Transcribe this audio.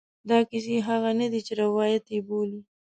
دا کیسې هغه نه دي چې روایت یې بولي.